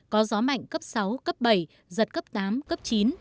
có gió mạnh cấp sáu cấp bảy giật cấp tám cấp chín